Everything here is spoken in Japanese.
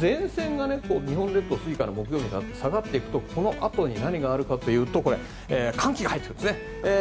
前線が日本列島の下に下がっていくとこのあとに何があるかというと寒気が入ってくるんです。